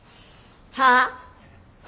はあ！？